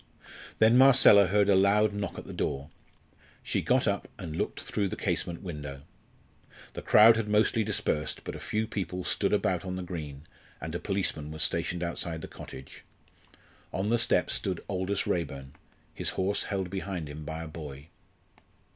Then Marcella heard a loud knock at the door. She got up and looked through the casement window. The crowd had mostly dispersed, but a few people stood about on the green, and a policeman was stationed outside the cottage. On the steps stood Aldous Raeburn, his horse held behind him by a boy.